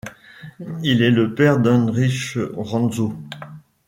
Il est le père d'Heinrich Rantzau.